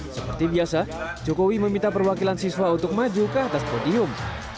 seperti biasa jokowi meminta perwakilan siswa untuk maju ke atas podium